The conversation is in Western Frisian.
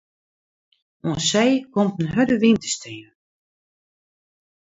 Oan see komt in hurde wyn te stean.